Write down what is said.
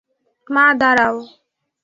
মা, দাঁড়াও।